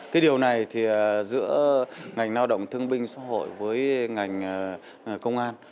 cái điều này thì giữa ngành lao động thương binh xã hội với ngành công an